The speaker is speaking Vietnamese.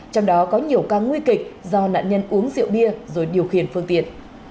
trong đó có nhiều ca nguy kịch do nạn nhân uống rượu bia rồi điều khiển phương tiện